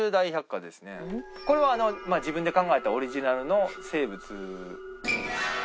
これは自分で考えたオリジナルの生物。